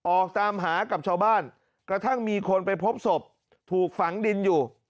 ออกตามหากับชาวบ้านกระทั่งมีคนไปพบศพถูกฝังดินอยู่